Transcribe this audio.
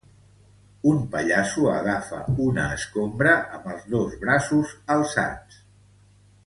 Un pallasso agafa una escombra amb els dos braços alçats